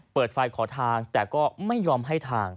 เปิดไฟขอทางแต่ก็ไม่ยอมให้ทาง